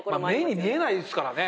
目に見えないですからね。